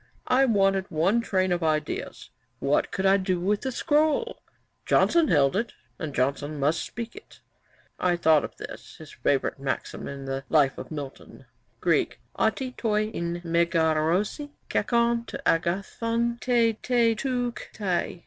I wanted one train of ideas. What could I do with the scroll? Johnson held it, and Johnson must speak in it. I thought of this, his favourite maxim, in the Life of Milton, [Johnson's Works, vii. 77], "[Greek: Otti toi en megaroisi kakon t agathon te tetuktai.